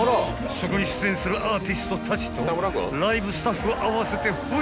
［そこに出演するアーティストたちとライブスタッフ合わせてホイ！］